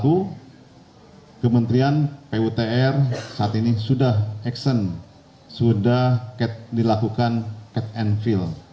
itu kementerian putr saat ini sudah action sudah dilakukan cat and fill